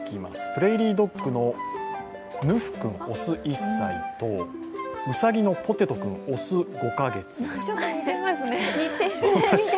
プレーリードッグのぬふ君、雄１歳とうさぎのポテト君、雄５カ月です。